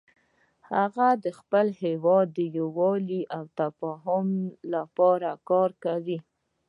هغه د خپل هیواد د یووالي او تفاهم لپاره کار کوي